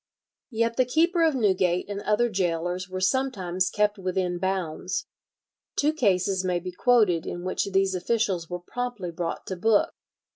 Yet the keeper of Newgate and other gaolers were sometimes kept within bounds. Two cases may be quoted in which these officials were promptly brought to book.